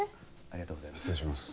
ありがとうございます。